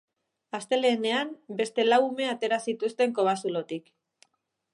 Astelehenean beste lau ume atera zituzten kobazulotik.